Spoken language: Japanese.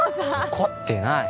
怒ってない